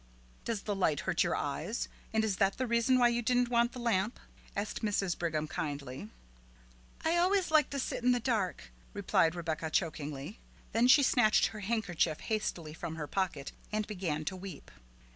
"Does the light hurt your eyes, and is that the reason why you didn't want the lamp?" asked Mrs. Brigham kindly. "I always like to sit in the dark," replied Rebecca chokingly. Then she snatched her handkerchief hastily from her pocket and began to weep.